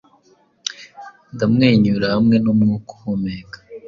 Ndamwenyura hamwe numwuka uhumeka,